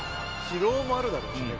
疲労もあるだろうしね。